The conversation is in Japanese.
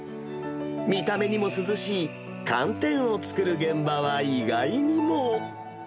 見た目にも涼しい寒天を作る現場は意外にも。